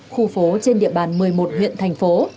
khu phố trên địa bàn một mươi một huyện thành phố